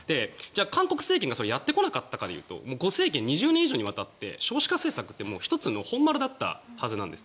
韓国政権がやってこなかったかというと２０年にわたって少子化政策って１つの本丸だったはずなんです。